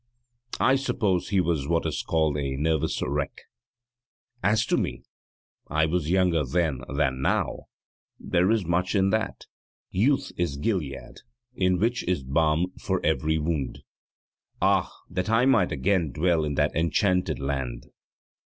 I suppose he was what is called a 'nervous wreck.' As to me, I was younger then than now there is much in that. Youth is Gilead, in which is balm for every wound. Ah, that I might again dwell in that enchanted land!